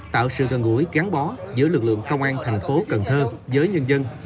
tạo sự gần gũi gắn bó giữa lực lượng công an thành phố cần thơ với nhân dân